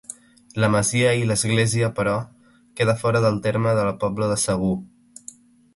La masia i l'església, però, queda fora del terme de la Pobla de Segur.